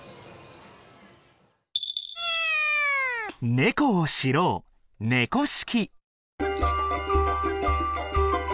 ネコを知ろう「猫識」。